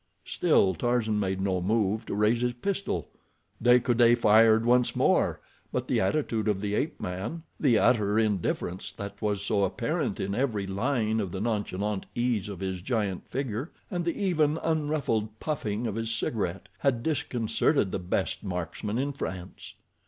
Still Tarzan made no move to raise his pistol. De Coude fired once more, but the attitude of the ape man—the utter indifference that was so apparent in every line of the nonchalant ease of his giant figure, and the even unruffled puffing of his cigarette—had disconcerted the best marksman in France.